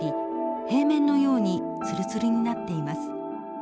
平面のようにつるつるになっています。